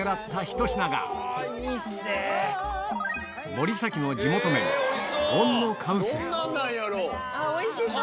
森崎の地元麺おいしそう！